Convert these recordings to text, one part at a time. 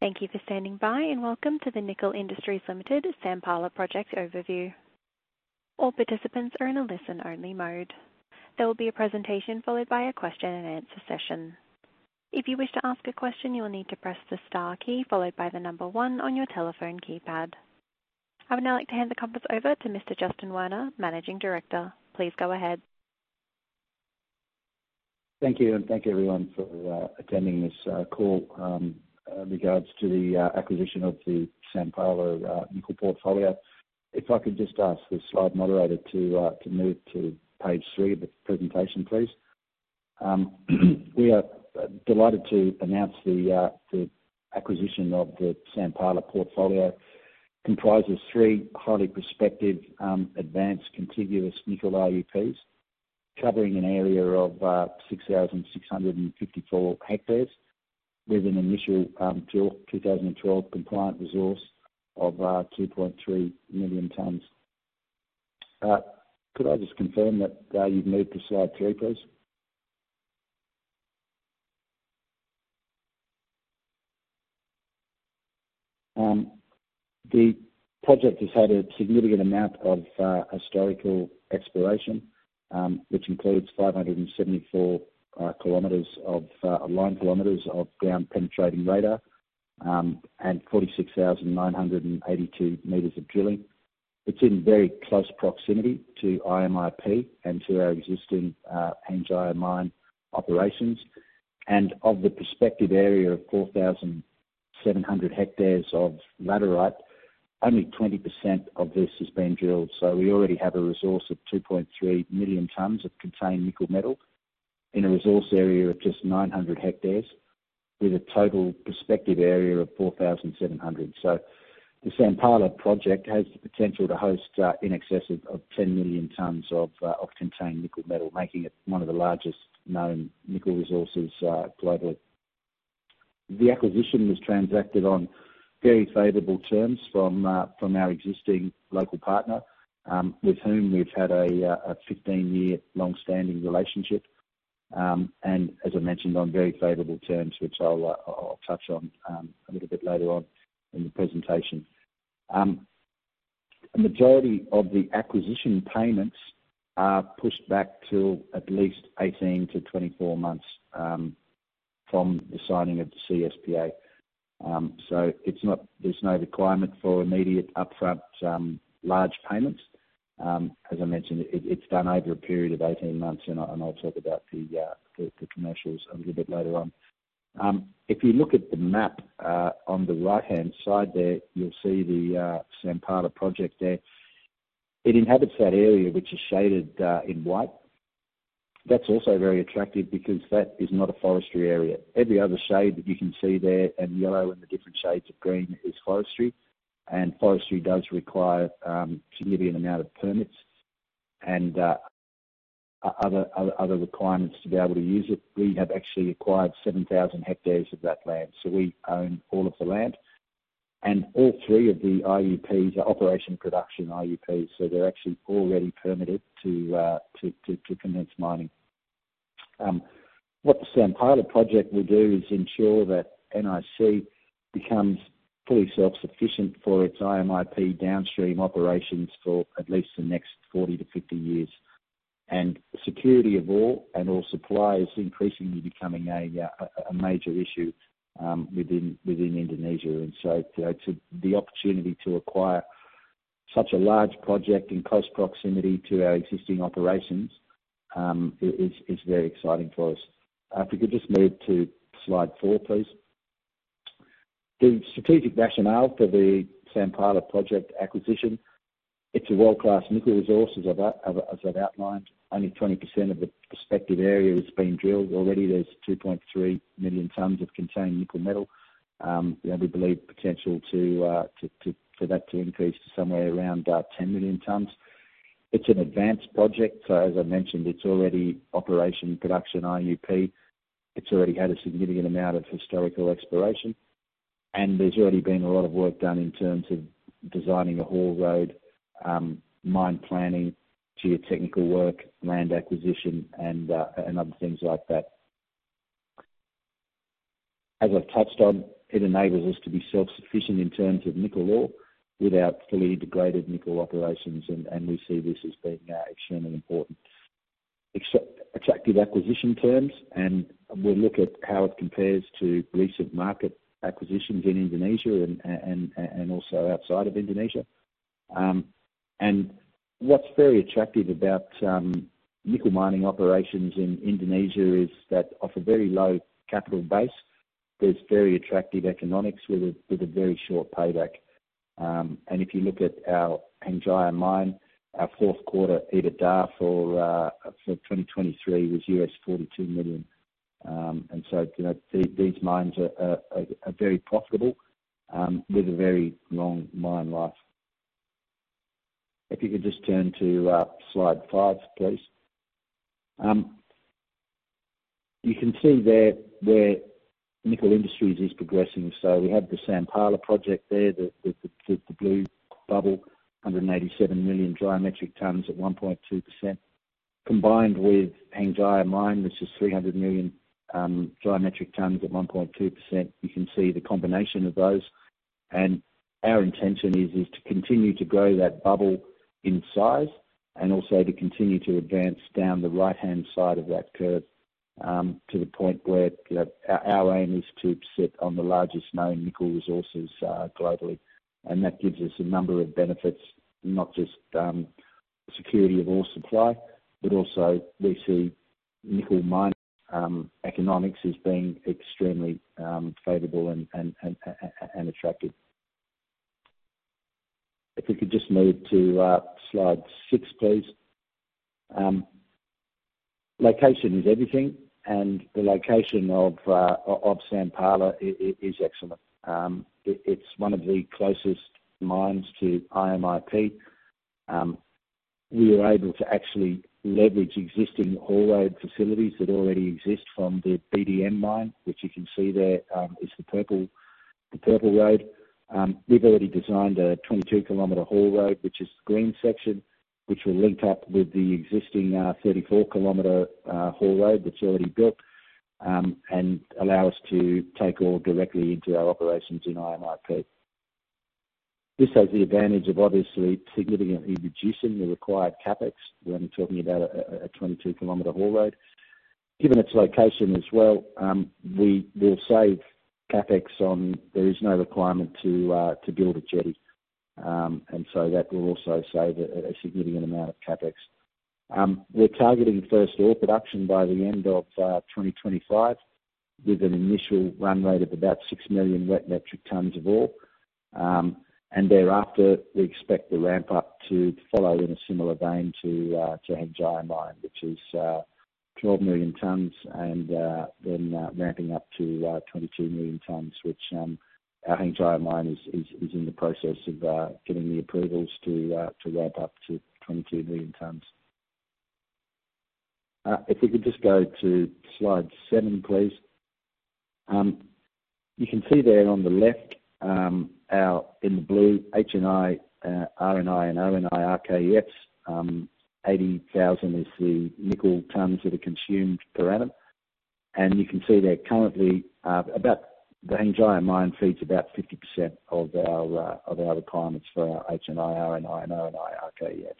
Thank you for standing by, and welcome to the Nickel Industries Limited Sampala Project Overview. All participants are in a listen-only mode. There will be a presentation, followed by a question-and-answer session. If you wish to ask a question, you will need to press the star key, followed by the number one on your telephone keypad. I would now like to hand the conference over to Mr. Justin Werner, Managing Director. Please go ahead. Thank you, and thank you, everyone, for attending this call in regards to the acquisition of the Sampala nickel portfolio. If I could just ask the slide moderator to move to page three of the presentation, please. We are delighted to announce the acquisition of the Sampala portfolio, comprises three highly prospective advanced contiguous nickel IUPs, covering an area of six thousand six hundred and fifty-four hectares, with an initial two thousand and twelve compliant resource of two point three million tons. Could I just confirm that you've moved to slide three, please? The project has had a significant amount of historical exploration, which includes five hundred and seventy-four kilometers of line kilometers of ground-penetrating radar, and forty-six thousand nine hundred and eighty-two meters of drilling. It's in very close proximity to IMIP and to our existing, Hengjaya Mine operations. Of the prospective area of 4,700 hectares of laterite, only 20% of this has been drilled. We already have a resource of 2.3 million tons of contained nickel metal in a resource area of just 900 hectares, with a total prospective area of 4,700. The Sampala Project has the potential to host in excess of 10 million tons of contained nickel metal, making it one of the largest known nickel resources globally. The acquisition was transacted on very favorable terms from our existing local partner, with whom we've had a 15-year long-standing relationship. And as I mentioned, on very favorable terms, which I'll touch on a little bit later on in the presentation. A majority of the acquisition payments are pushed back to at least 18-24 months from the signing of the CSPA. So it's not. There's no requirement for immediate upfront large payments. As I mentioned, it's done over a period of 18 months, and I'll talk about the commercials a little bit later on. If you look at the map on the right-hand side there, you'll see the Sampala Project there. It inhabits that area which is shaded in white. That's also very attractive because that is not a forestry area. Every other shade that you can see there, and yellow, and the different shades of green is forestry, and forestry does require a significant amount of permits and other requirements to be able to use it. We have actually acquired 7,000 hectares of that land, so we own all of the land. All three of the IUPs are operation production IUPs, so they're actually already permitted to to commence mining. What the Sampala project will do is ensure that NIC becomes fully self-sufficient for its IMIP downstream operations for at least the next 40-50 years. Security of ore and ore supply is increasingly becoming a major issue within Indonesia. The opportunity to acquire such a large project in close proximity to our existing operations is very exciting for us. If you could just move to slide four, please. The strategic rationale for the Sampala Project acquisition, it's a world-class nickel resources, as I've outlined. Only 20% of the prospective area has been drilled. Already there's 2.3 million tons of contained nickel metal, and we believe potential to for that to increase to somewhere around about 10 million tons. It's an advanced project. So as I mentioned, it's already operational production IUP. It's already had a significant amount of historical exploration, and there's already been a lot of work done in terms of designing a haul road, mine planning, geotechnical work, land acquisition, and other things like that. As I've touched on, it enables us to be self-sufficient in terms of nickel ore with our fully integrated nickel operations, and we see this as being extremely important. Attractive acquisition terms, and we'll look at how it compares to recent market acquisitions in Indonesia and also outside of Indonesia. And what's very attractive about nickel mining operations in Indonesia is that off a very low capital base, there's very attractive economics with a very short payback. And if you look at our Hengjaya mine, our fourth quarter EBITDA for 2023 was $42 million. And so, you know, these mines are very profitable with a very long mine life. If you could just turn to slide five, please. You can see there where Nickel Industries is progressing. We have the Sampala Project there, the blue bubble, 187 million dry metric tons at 1.2%, combined with Hengjaya Mine, which is 300 million dry metric tons at 1.2%. You can see the combination of those. Our intention is to continue to grow that bubble in size and also to continue to advance down the right-hand side of that curve, to the point where our aim is to sit on the largest known nickel resources globally. That gives us a number of benefits, not just security of ore supply, but also we see nickel mining economics as being extremely favorable and attractive. If we could just move to slide six, please. Location is everything, and the location of Sampala is excellent. It's one of the closest mines to IMIP. We were able to actually leverage existing ore facilities that already exist from the BDM mine, which you can see there, is the purple road. We've already designed a 22-kilometer ore road, which is the green section, which will link up with the existing 34-kilometer ore road that's already built, and allow us to take ore directly into our operations in IMIP. This has the advantage of obviously significantly reducing the required CapEx. We're only talking about a 22-kilometer ore road. Given its location as well, we will save CapEx on. There is no requirement to build a jetty. And so that will also save a significant amount of CapEx. We're targeting first ore production by the end of 2025, with an initial run rate of about six million wet metric tons of ore. And thereafter, we expect the ramp up to follow in a similar vein to Hengjaya Mine, which is 12 million tons, and then ramping up to 22 million tons, which our Hengjaya Mine is in the process of getting the approvals to ramp up to 22 million tons. If we could just go to slide seven, please. You can see there on the left, our in the blue, HNI, RNI, and ONI, RKEF, 80,000 is the nickel tons that are consumed per annum. You can see that currently, the Hengjaya Mine feeds about 50% of our requirements for our HNI, RNI, and ONI RKEF.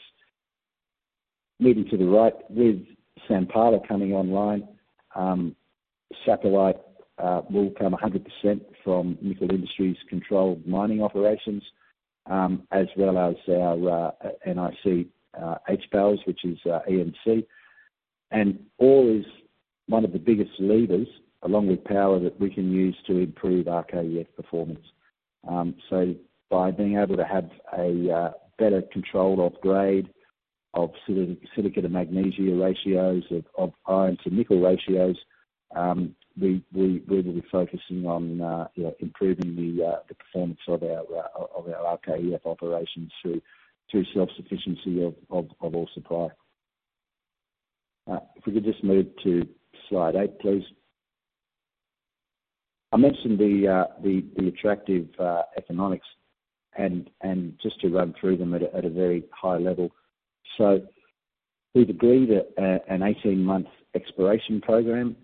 Moving to the right, with Sampala coming online, saprolite will come 100% from Nickel Industries-controlled mining operations, as well as our NIC HPALs, which is ENC. Ore is one of the biggest levers, along with power, that we can use to improve RKEF performance. So by being able to have a better control of grade, of silica to magnesia ratios, of iron to nickel ratios, we will be focusing on, you know, improving the performance of our RKEF operations through self-sufficiency of ore supply. If we could just move to slide 8, please. I mentioned the attractive economics and just to run through them at a very high level, so we've agreed that an 18-month exploration program,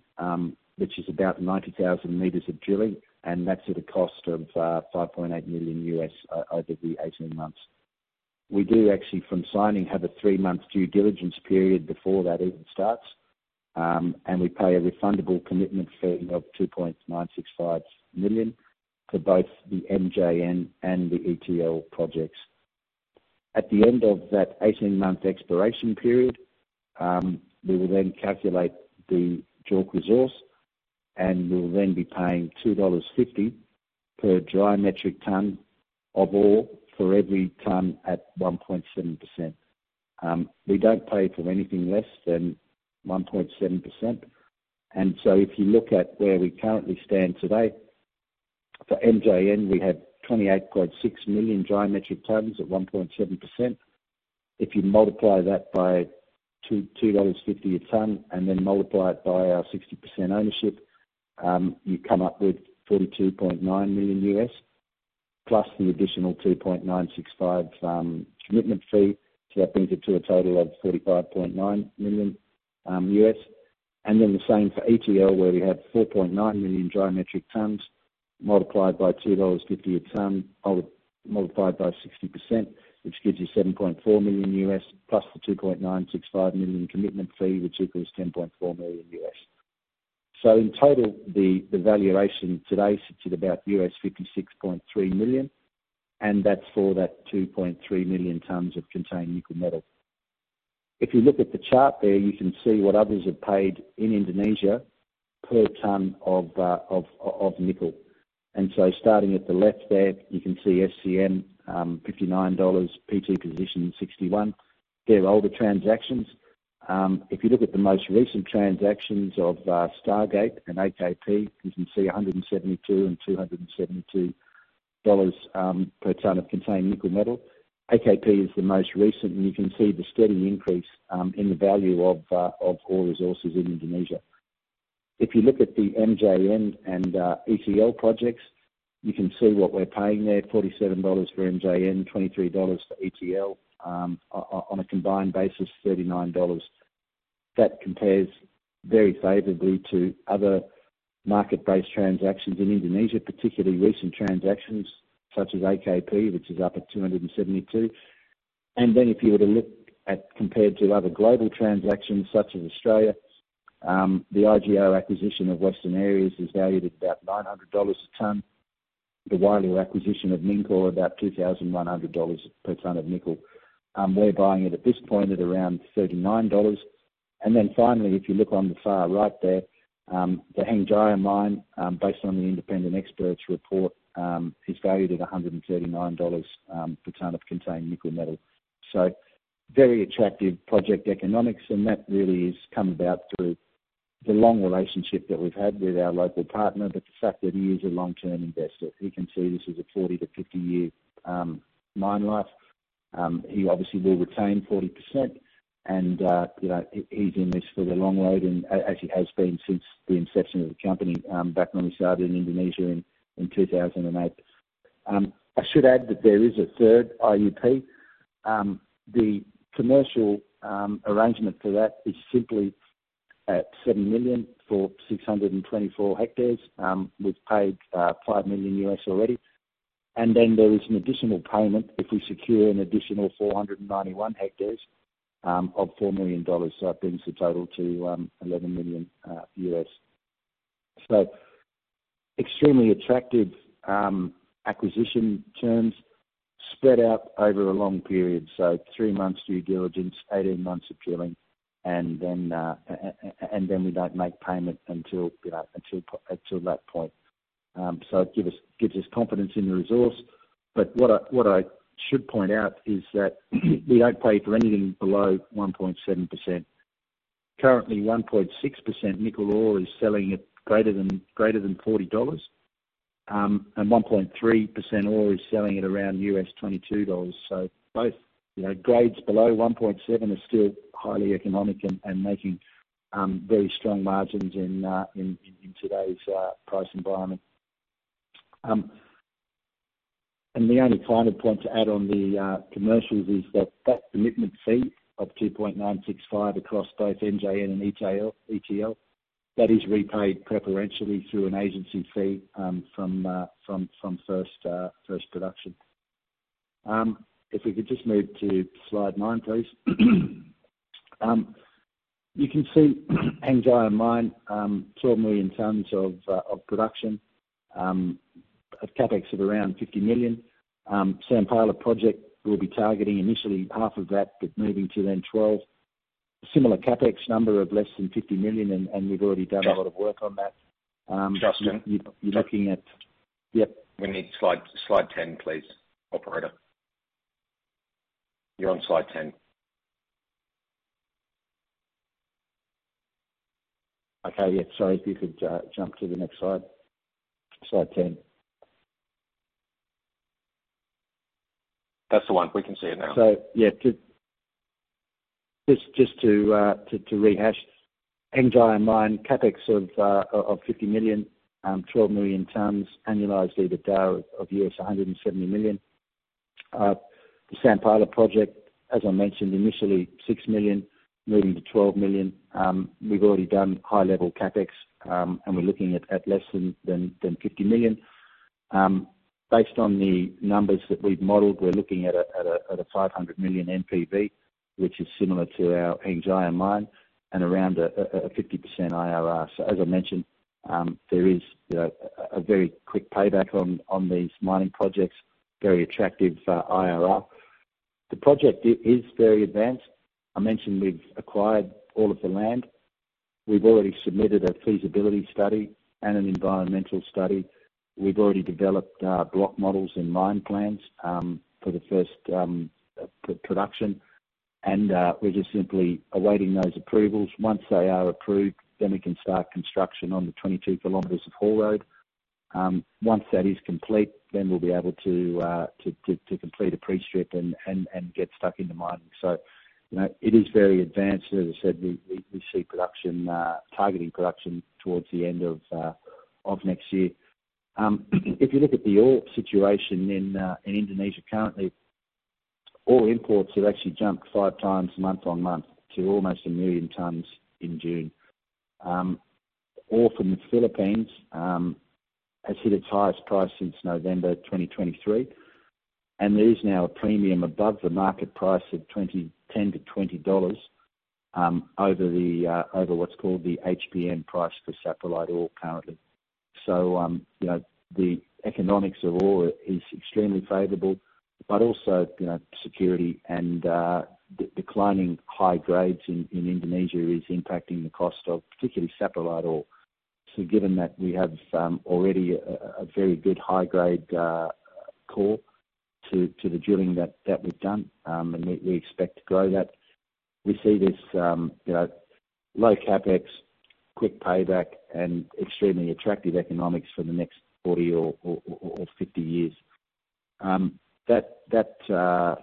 which is about 90,000 meters of drilling, and that's at a cost of $5.8 million over the 18 months. We do actually, from signing, have a 3-month due diligence period before that even starts, and we pay a refundable commitment fee of $2.965 million for both the MJN and the ETL projects. At the end of that 18-month exploration period, we will then calculate the JORC resource, and we'll then be paying $2.50 per dry metric ton of ore for every ton at 1.7%. We don't pay for anything less than 1.7%. And so if you look at where we currently stand today, for MJN, we have 28.6 million dry metric tons at 1.7%. If you multiply that by $2.50 a ton, and then multiply it by our 60% ownership, you come up with $42.9 million, plus the additional $2.965 million commitment fee. So that brings it to a total of $45.9 million. And then the same for ETL, where we have 4.9 million dry metric tons, multiplied by $2.50 a ton, multiplied by 60%, which gives you $7.4 million, plus the $2.965 million commitment fee, which equals $10.4 million. In total, the valuation today sits at about $56.3 million, and that's for that 2.3 million tons of contained nickel metal. If you look at the chart there, you can see what others have paid in Indonesia per ton of nickel. Starting at the left there, you can see SCM, $59, PT Position $61. They're older transactions. If you look at the most recent transactions of Stargate and AKP, you can see $172 and $272 per ton of contained nickel metal. AKP is the most recent, and you can see the steady increase in the value of ore resources in Indonesia. If you look at the MJN and ETL projects, you can see what we're paying there: $47 for MJN, $23 for ETL, on a combined basis, $39. That compares very favorably to other market-based transactions in Indonesia, particularly recent transactions such as AKP, which is up at $272. And then, if you were to look at, compared to other global transactions, such as Australia, the IGO acquisition of Western Areas is valued at about $900 a ton. The Wyloo acquisition of Mincor, about $2,100 per ton of nickel. We're buying it at this point at around $39. And then finally, if you look on the far right there, the Hengjaya Mine, based on the independent experts' report, is valued at $139 per ton of contained nickel metal. So very attractive project economics, and that really has come about through the long relationship that we've had with our local partner, but the fact that he is a long-term investor, he can see this as a 40- to 50-year mine life. He obviously will retain 40%, and, you know, he, he's in this for the long road, and as he has been since the inception of the company, back when we started in Indonesia in 2008. I should add that there is a third IUP. The commercial arrangement for that is simply at $7 million for 624 hectares. We've paid $5 million already. And then there is an additional payment if we secure an additional 491 hectares of $4 million. That brings the total to $11 million. Extremely attractive acquisition terms spread out over a long period. Three months due diligence, 18 months appealing, and then we don't make payment until, you know, until that point. It gives us confidence in the resource. What I should point out is that we don't pay for anything below 1.7%. Currently, 1.6% nickel ore is selling at greater than $40, and 1.3% ore is selling at around $22. So both, you know, grades below one point seven are still highly economic and making very strong margins in today's price environment. And the only final point to add on the commercials is that commitment fee of two point nine six five across both MJN and ETL that is repaid preferentially through an agency fee from first production. If we could just move to slide nine, please. You can see Hengjaya Mine twelve million tons of production at CapEx of around fifty million. Sampala Project will be targeting initially half of that, but moving to then twelve. Similar CapEx number of less than fifty million, and we've already done a lot of work on that. Justin? You're looking at... Yep. We need slide ten, please. Operator. You're on slide ten. Okay, yeah. Sorry, if you could jump to the next slide, slide ten. That's the one. We can see it now. So, yeah, just to rehash, Hengjaya Mine, CapEx of $50 million, 12 million tons, annualized EBITDA of $170 million. The Sampala Project, as I mentioned, initially 6 million, moving to 12 million. We've already done high-level CapEx, and we're looking at less than $50 million. Based on the numbers that we've modeled, we're looking at a 500 million NPV, which is similar to our Hengjaya Mine and around a 50% IRR. As I mentioned, there is a very quick payback on these mining projects, very attractive IRR. The project is very advanced. I mentioned we've acquired all of the land. We've already submitted a feasibility study and an environmental study. We've already developed block models and mine plans for the first production, and we're just simply awaiting those approvals. Once they are approved, then we can start construction on the 22 kilometers of haul road. Once that is complete, then we'll be able to to complete a pre-strip and get stuck into mining. You know, it is very advanced. As I said, we see production targeting production towards the end of next year. If you look at the ore situation in Indonesia currently, ore imports have actually jumped five times month on month to almost a million tons in June. Ore from the Philippines has hit its highest price since November 2023, and there is now a premium above the market price of $10-$20 over what's called the HPM price for saprolite ore currently. So, you know, the economics of ore is extremely favorable, but also, you know, security and declining high grades in Indonesia is impacting the cost of particularly saprolite ore. So given that we have already a very good high-grade core to the drilling that we've done, and we expect to grow that, we see this, you know, low CapEx, quick payback, and extremely attractive economics for the next forty or fifty years. That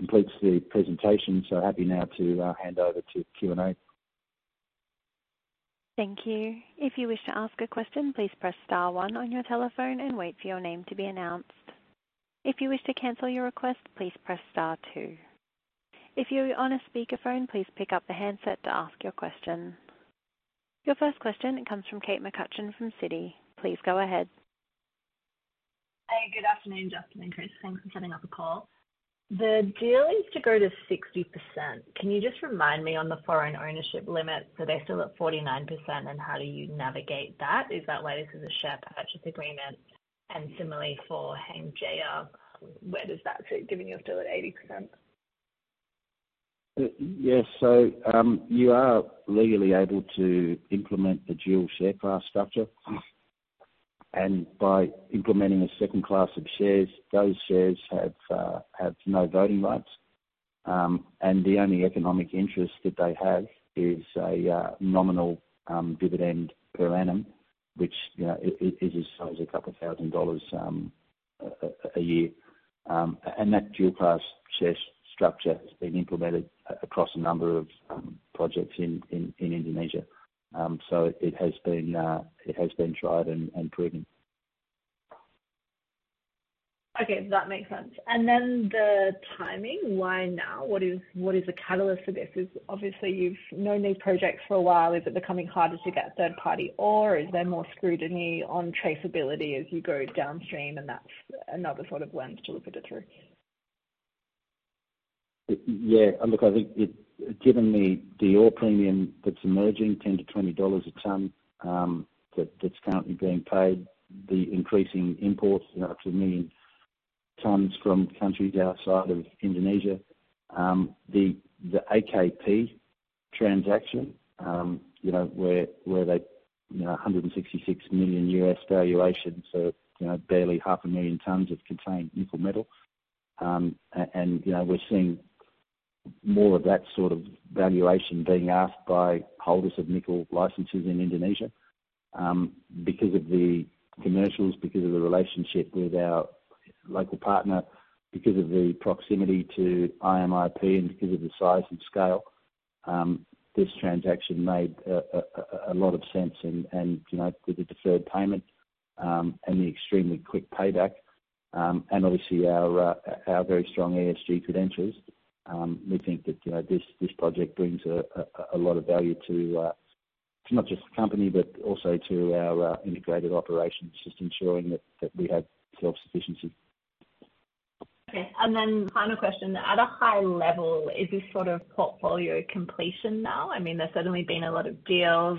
completes the presentation, so happy now to hand over to Q&A. Thank you. If you wish to ask a question, please press star one on your telephone and wait for your name to be announced. If you wish to cancel your request, please press star two. If you're on a speakerphone, please pick up the handset to ask your question. Your first question comes from Kate McCutcheon from Citi. Please go ahead. Hey, good afternoon, Justin and Chris. Thanks for setting up the call. The deal is to go to 60%. Can you just remind me on the foreign ownership limit, so they're still at 49%, and how do you navigate that? Is that why this is a share purchase agreement, and similarly for Hengjaya, where does that fit, given you're still at 80%? Yes, so you are legally able to implement the dual share class structure, and by implementing a second class of shares, those shares have no voting rights, and the only economic interest that they have is a nominal dividend per annum, which, you know, it is sized a couple thousand dollars a year, and that dual class share structure has been implemented across a number of projects in Indonesia, so it has been tried and proven. Okay, that makes sense, and then the timing, why now? What is, what is the catalyst for this? Is it obvious you've known these projects for a while. Is it becoming harder to get third party, or is there more scrutiny on traceability as you go downstream, and that's another sort of lens to look at it through? Yeah, and look, I think, given the ore premium that's emerging, $10-$20 a ton that's currently being paid, the increasing imports, you know, up to 1 million tons from countries outside of Indonesia, the AKP transaction, you know, where they, you know, $166 million valuation, so, you know, barely 500,000 tons of contained nickel metal. You know, we're seeing more of that sort of valuation being asked by holders of nickel licenses in Indonesia because of the commercials, because of the relationship with our local partner, because of the proximity to IMIP, and because of the size and scale. This transaction made a lot of sense, and you know, with the deferred payment and the extremely quick payback, and obviously our very strong ESG credentials, we think that you know, this project brings a lot of value to not just the company, but also to our integrated operations, just ensuring that we have self-sufficiency. Okay. And then final question. At a high level, is this sort of portfolio completion now? I mean, there's certainly been a lot of deals.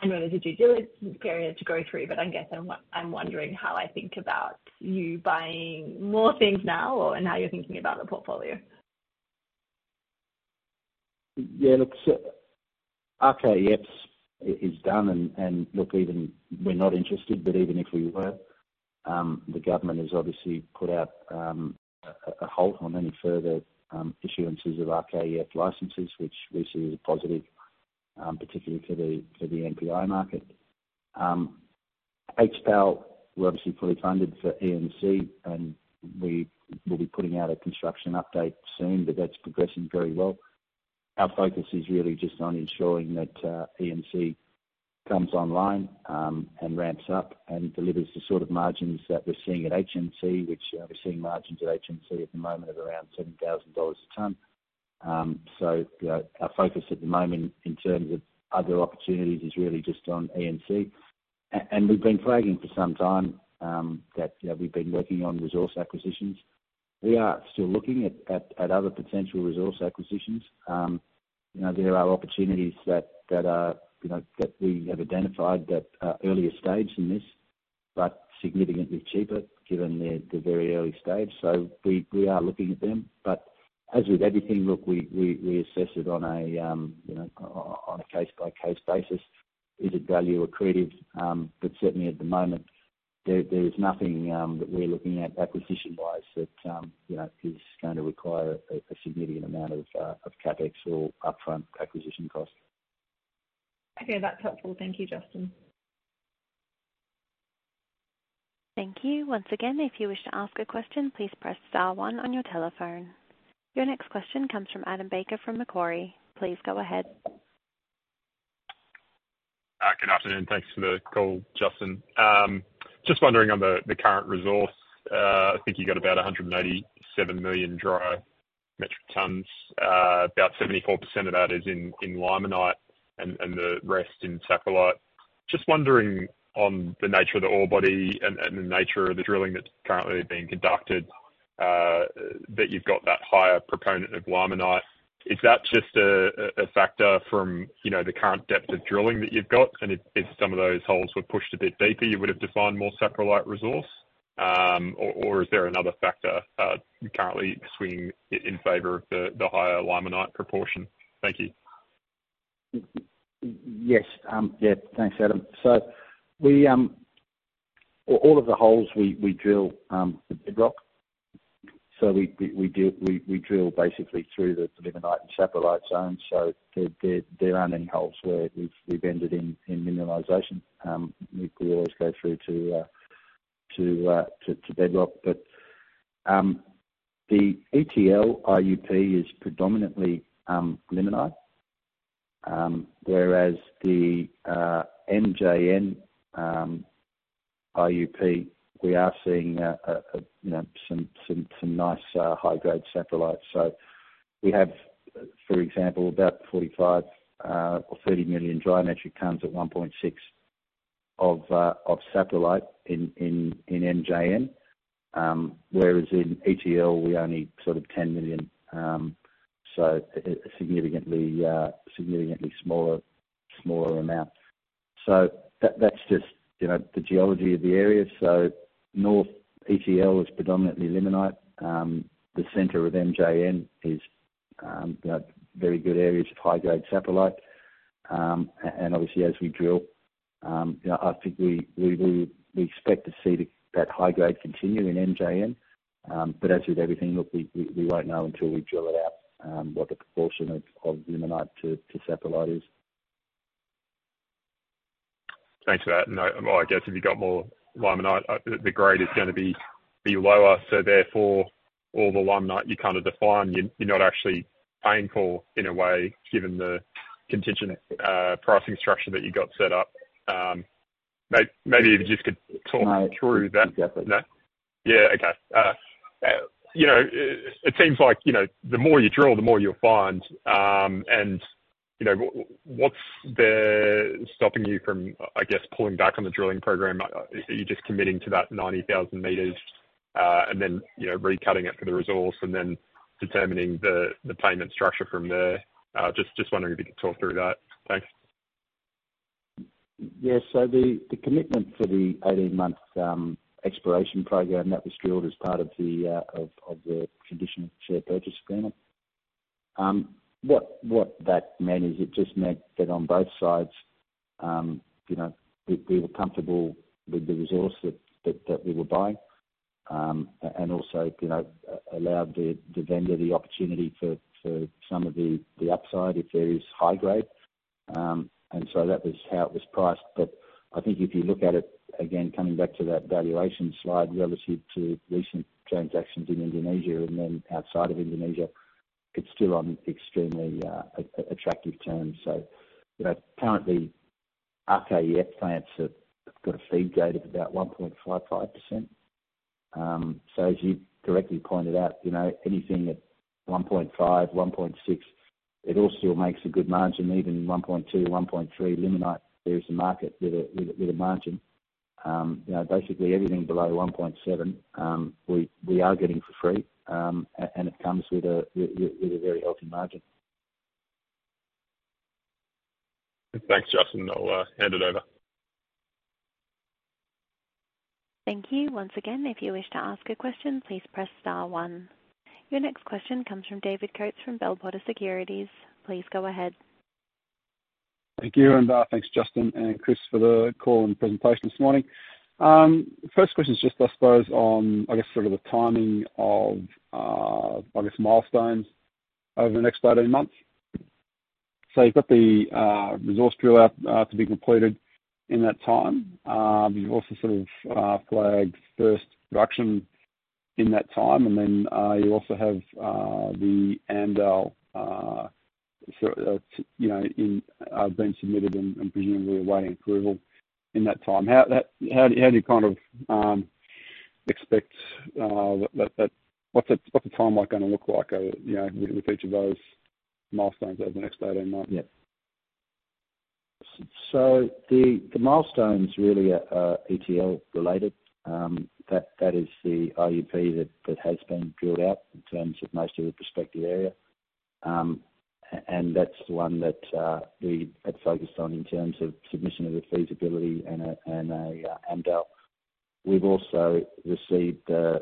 I know there's a due diligence period to go through, but I guess I'm wondering how I think about you buying more things now or, and how you're thinking about the portfolio. Yeah, look, so RKEF is done, and look, even... We're not interested, but even if we were, the government has obviously put out a halt on any further issuances of RKEF licenses, which we see as a positive, particularly to the NPI market. HPAL, we're obviously fully funded for EMC, and we will be putting out a construction update soon, but that's progressing very well. Our focus is really just on ensuring that EMC comes online and ramps up and delivers the sort of margins that we're seeing at HNC, which we're seeing margins at HNC at the moment of around $10,000 a ton. So, you know, our focus at the moment in terms of other opportunities is really just on EMC. And we've been flagging for some time that, you know, we've been working on resource acquisitions. We are still looking at other potential resource acquisitions. You know, there are opportunities that are, you know, that we have identified that are earlier stage than this, but significantly cheaper given the very early stage. So we assess it on a case-by-case basis, you know. Is it value accretive? But certainly at the moment, there is nothing that we're looking at acquisition-wise that, you know, is going to require a significant amount of CapEx or upfront acquisition costs. Okay, that's helpful. Thank you, Justin. Thank you. Once again, if you wish to ask a question, please press star one on your telephone. Your next question comes from Adam Baker, from Macquarie. Please go ahead. Good afternoon. Thanks for the call, Justin. Just wondering on the current resource, I think you got about a hundred and eighty-seven million dry metric tons. About 74% of that is in Limonite and the rest in Saprolite. Just wondering on the nature of the ore body and the nature of the drilling that's currently being conducted, that you've got that higher proportion of Limonite. Is that just a factor from, you know, the current depth of drilling that you've got, and if some of those holes were pushed a bit deeper, you would have defined more Saprolite resource? Or is there another factor currently swinging in favor of the higher Limonite proportion? Thank you. Yes, yeah, thanks, Adam. So all of the holes we drill the bedrock. So we drill basically through the limonite and saprolite zone. So there aren't any holes where we've ended in mineralization. We always go through to bedrock. But the ETL IUP is predominantly limonite, whereas the MJN IUP, we are seeing you know some nice high-grade saprolite. So we have, for example, about 45 or 30 million dry metric tons at 1.6 of saprolite in MJN. Whereas in ETL, we only sort of 10 million, so significantly smaller amount. So that's just you know the geology of the area. So North ETL is predominantly limonite. The center of MJN is, you know, very good areas of high-grade saprolite. And obviously, as we drill, you know, I think we expect to see that high grade continue in MJN. But as with everything, look, we won't know until we drill it out, what the proportion of limonite to saprolite is. Thanks for that. I, well, I guess if you've got more limonite, the grade is gonna be lower, so therefore, all the limonite you kind of define, you're not actually paying for, in a way, given the contingent pricing structure that you got set up. Maybe if you just could talk through that. Exactly. Yeah. Okay. You know, it seems like, you know, the more you drill, the more you'll find. And, you know, what's there stopping you from, I guess, pulling back on the drilling program? Are you just committing to that ninety thousand meters, and then, you know, recutting it for the resource and then determining the payment structure from there? Just wondering if you could talk through that. Thanks. Yeah. So the commitment for the eighteen months exploration program that was drilled as part of the conditional share purchase agreement. What that meant is it just meant that on both sides, you know, we were comfortable with the resource that we were buying. And also, you know, allowed the vendor the opportunity for some of the upside if there is high grade. And so that was how it was priced. But I think if you look at it, again, coming back to that valuation slide relative to recent transactions in Indonesia and then outside of Indonesia, it's still on extremely attractive terms. So, you know, currently, RKEF plants have got a feed grade of about 1.55%. So as you correctly pointed out, you know, anything at 1.5, 1.6, it all still makes a good margin, even 1.2, 1.3 limonite, there is a market with a margin. You know, basically everything below 1.7, we are getting for free, and it comes with a very healthy margin. Thanks, Justin. I'll hand it over. Thank you. Once again, if you wish to ask a question, please press star one. Your next question comes from David Coates from Bell Potter Securities. Please go ahead. Thank you, and, thanks, Justin and Chris, for the call and presentation this morning. First question is just, I suppose, on, I guess, sort of the timing of, I guess, milestones over the next eighteen months. So you've got the resource drill out to be completed in that time. You also sort of flagged first production in that time, and then you also have the AMDAL, so you know, in being submitted and, and presumably awaiting approval in that time. How do you kind of expect that, what's the timeline gonna look like, you know, with each of those milestones over the next eighteen months? Yeah. So the milestones really are ETL related. That is the IUP that has been drilled out in terms of most of the prospective area. And that's the one that we had focused on in terms of submission of the feasibility and a AMDAL. We've also received our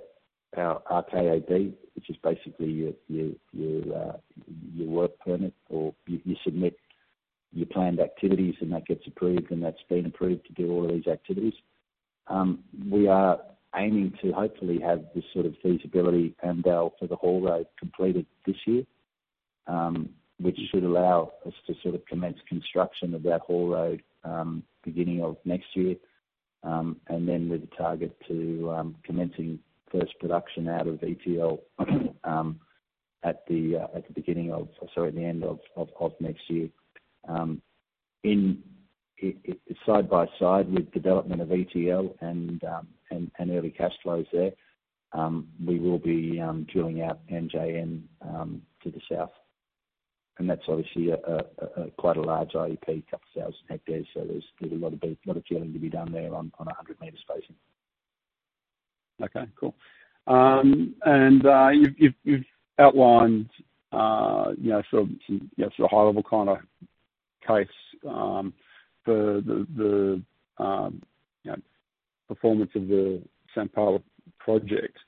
RKAB, which is basically your work permit, or you submit your planned activities, and that gets approved, and that's been approved to do all of these activities. We are aiming to hopefully have this sort of feasibility AMDAL for the haul road completed this year, which should allow us to sort of commence construction of that haul road, beginning of next year. And then with the target to commencing first production out of ETL at the end of next year. In it, side by side with development of ETL and early cash flows there, we will be drilling out MJN to the south. And that's obviously quite a large IUP, couple thousand hectares, so there's a lot of drilling to be done there on a 100-meter spacing. Okay, cool. And, you've outlined, you know, sort of some, you know, sort of high-level kind of case, for the, the, you know, performance of the Sampala Project.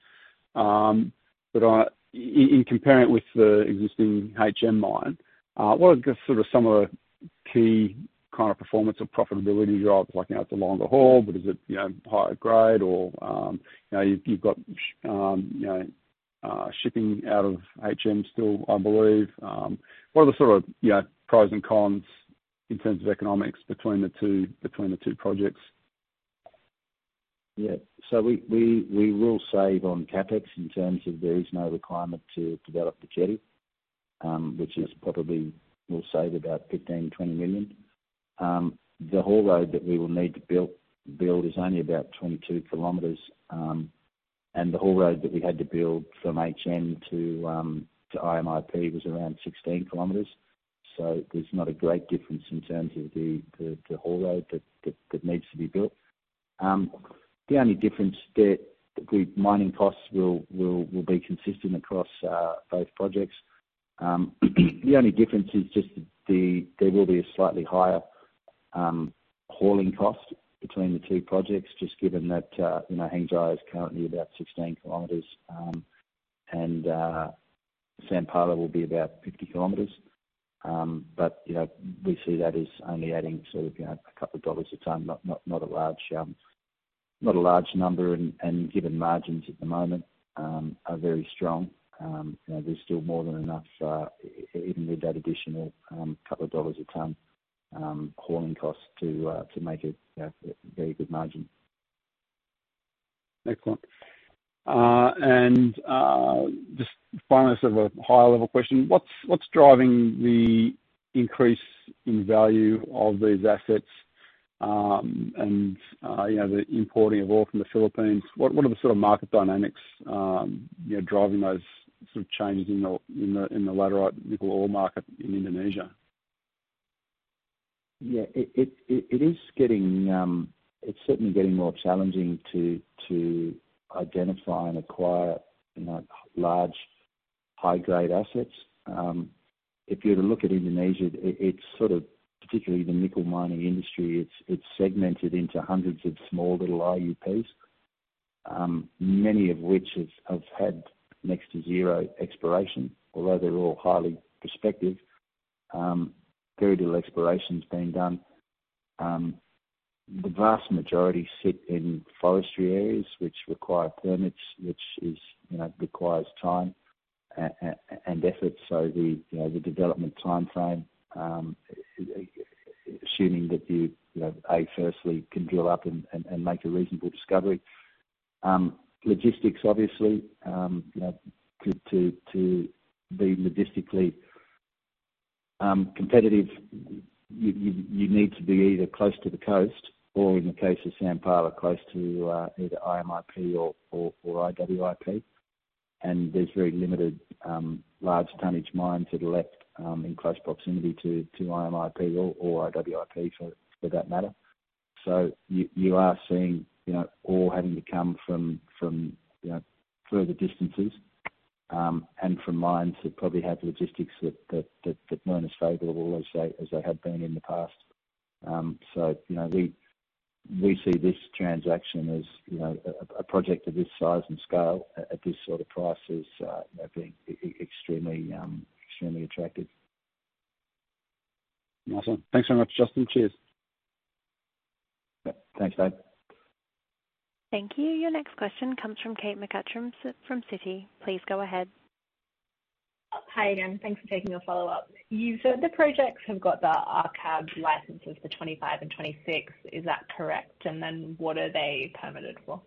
But, in comparing it with the existing Hengjaya Mine, what are sort of some of the key kind of performance or profitability drivers, like now it's along the haul, but is it, you know, higher grade or, you know, you've got shipping out of Hengjaya Mine still, I believe. What are the sort of, you know, pros and cons in terms of economics between the two, between the two projects? Yeah. So we will save on CapEx in terms of there is no requirement to develop the jetty, which is probably, we'll save about 15-20 million. The haul road that we will need to build is only about 22 km, and the haul road that we had to build from HN to IMIP was around 16 km. So there's not a great difference in terms of the haul road that needs to be built. The only difference there, the mining costs will be consistent across both projects. The only difference is just there will be a slightly higher hauling cost between the two projects, just given that you know, Hengjaya is currently about 16 km, and Sampala will be about 50 km. But, you know, we see that as only adding sort of, you know, a couple of dollars a ton. Not a large number, and given margins at the moment are very strong, you know, there's still more than enough, even with that additional couple of dollars a ton, hauling costs to make it, yeah, a very good margin. Excellent. And just final, sort of, a higher level question: What's driving the increase in value of these assets, and you know, the importing of ore from the Philippines? What are the sort of market dynamics, you know, driving those sort of changes in the laterite nickel ore market in Indonesia? Yeah. It is getting. It's certainly getting more challenging to identify and acquire, you know, large, high-grade assets. If you were to look at Indonesia, it's sort of particularly the nickel mining industry, it's segmented into hundreds of small little IUPs, many of which have had next to zero exploration. Although they're all highly prospective, very little exploration's been done. The vast majority sit in forestry areas, which require permits, which is, you know, requires time, and effort, so you know, the development timeframe, assuming that you, you know, firstly, can drill up and make a reasonable discovery. Logistics, obviously, you know, to be logistically competitive, you need to be either close to the coast or, in the case of Sampala, close to either IMIP or IWIP. And there's very limited large tonnage mines that are left in close proximity to IMIP or IWIP, for that matter. So you are seeing, you know, ore having to come from, you know, further distances, and from mines that probably have logistics that weren't as favorable as they have been in the past. So, you know, we see this transaction as, you know, a project of this size and scale at this sort of price as, you know, being extremely attractive. Awesome. Thanks very much, Justin. Cheers. Yep. Thanks, Dave. Thank you. Your next question comes from Kate McCutcheon from Citi. Please go ahead. Hi again. Thanks for taking the follow-up. You said the projects have got the RKAB licenses for 2025 and 2026. Is that correct, and then what are they permitted for?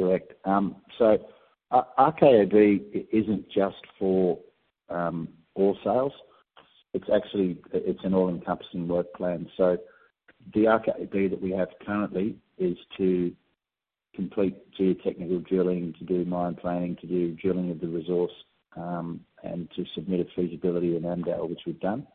Correct. So RKAB isn't just for ore sales. It's actually it's an all-encompassing work plan. So the RKAB that we have currently is to complete geotechnical drilling, to do mine planning, to do drilling of the resource, and to submit a feasibility in AMDAL, which we've done.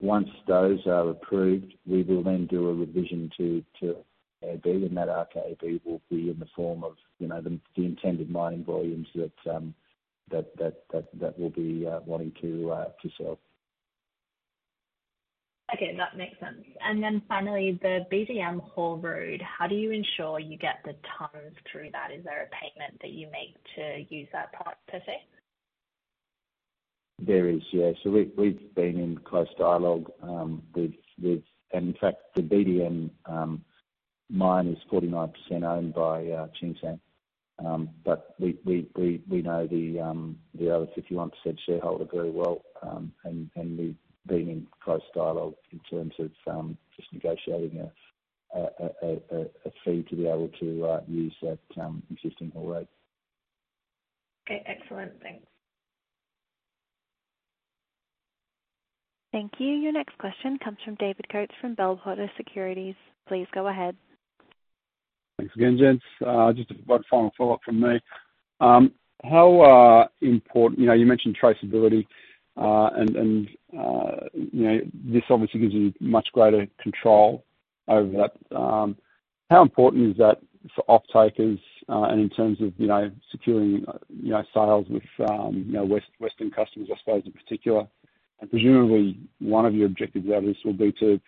Once those are approved, we will then do a revision to the RKAB, and that RKAB will be in the form of, you know, the intended mining volumes that we'll be wanting to sell. Okay, that makes sense and then finally, the BDM haul road, how do you ensure you get the tons through that? Is there a payment that you make to use that part per se? There is, yeah, so we've been in close dialogue with... and in fact, the BDM mine is 49% owned by Tsingshan, but we know the other 51% shareholder very well, and we've been in close dialogue in terms of just negotiating a fee to be able to use that existing haul road. Okay, excellent. Thanks. Thank you. Your next question comes from David Coates from Bell Potter Securities. Please go ahead. Thanks again, gents. Just one final follow-up from me. How important... You know, you mentioned traceability, and, and, you know, this obviously gives you much greater control over that. How important is that for offtakers, and in terms of, you know, securing, you know, sales with, you know, Western customers, I suppose, in particular? And presumably, one of your objectives out of this will be to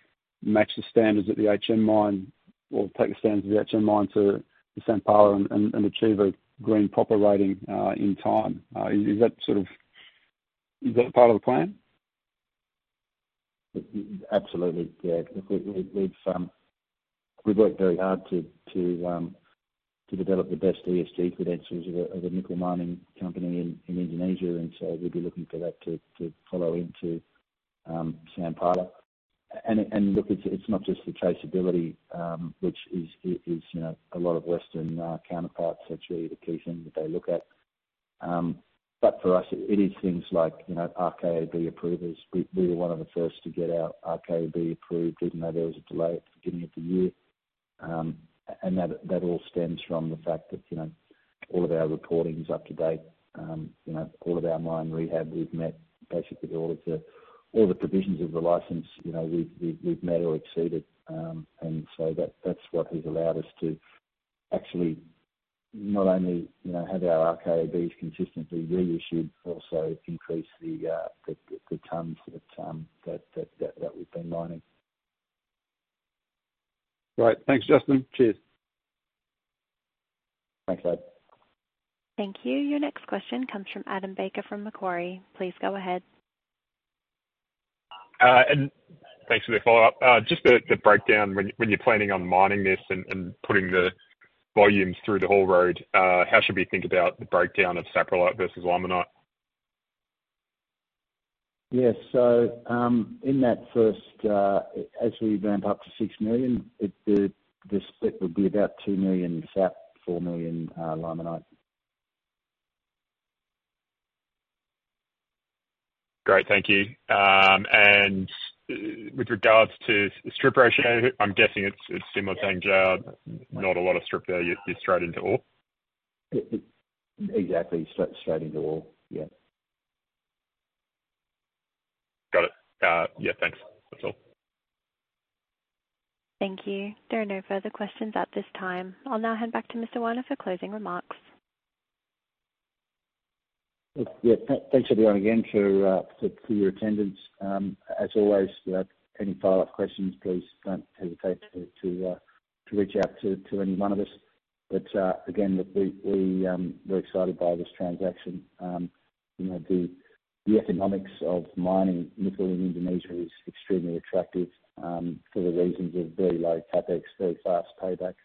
match the standards that the Hengjaya Mine, or take the standards of the Hengjaya Mine to the Sampala and achieve a green PROPER rating, in time. Is that sort of... Is that a part of the plan? Absolutely, yeah. We've worked very hard to develop the best ESG credentials of a nickel mining company in Indonesia, and so we'd be looking for that to follow into Sampala, and look, it's not just the traceability, which is, you know, a lot of Western counterparts, that's really the key thing that they look at, but for us it is things like, you know, RKAB approvals. We were one of the first to get our RKAB approved, even though there was a delay at the beginning of the year, and that all stems from the fact that, you know, all of our reporting is up to date. You know, all of our mine rehab, we've met basically all of the provisions of the license, you know, we've met or exceeded. And so that's what has allowed us to actually not only, you know, have our RKABs consistently reissued, also increase the tons that we've been mining. Great. Thanks, Justin. Cheers. Thanks, mate. Thank you. Your next question comes from Adam Baker, from Macquarie. Please go ahead. Thanks for the follow-up. Just the breakdown when you're planning on mining this and putting the volumes through the haul road, how should we think about the breakdown of saprolite versus limonite? Yes. So, in that first, as we ramp up to six million, the split would be about two million sap, four million limonite. Great. Thank you. And with regards to strip ratio, I'm guessing it's similar to Anggona, not a lot of strip there. You're straight into ore? Exactly. Straight, straight into ore. Yeah. Got it. Yeah, thanks. That's all. Thank you. There are no further questions at this time. I'll now hand back to Mr. Werner for closing remarks. Yeah. Thanks everyone again for your attendance. As always, any follow-up questions, please don't hesitate to reach out to any one of us. But again, we're excited by this transaction. You know, the economics of mining nickel in Indonesia is extremely attractive for the reasons of very low CapEx, very fast payback,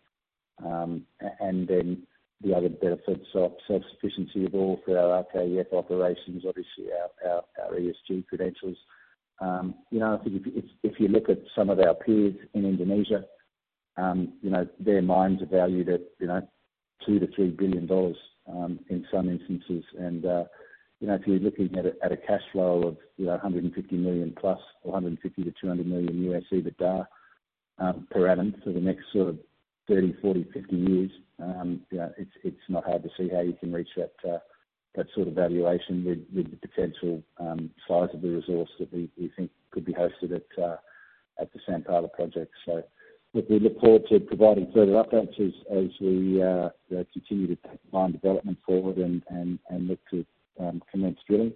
and then the other benefits of self-sufficiency of all through our RKEF operations, obviously our ESG credentials. You know, I think if you look at some of our peers in Indonesia, you know, their mines are valued at $2-$3 billion in some instances. You know, if you're looking at a cash flow of, you know, $150 million plus or $150-$200 million USD per annum for the next sort of 30, 40, 50 years, you know, it's not hard to see how you can reach that sort of valuation with the potential size of the resource that we think could be hosted at the Sampala Project. So look, we look forward to providing further updates as we continue to take mine development forward and look to commence drilling.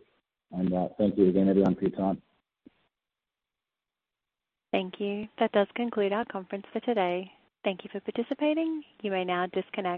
Thank you again, everyone, for your time. Thank you. That does conclude our conference for today. Thank you for participating. You may now disconnect.